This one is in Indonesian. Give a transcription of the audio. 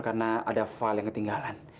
karena ada file yang ketinggalan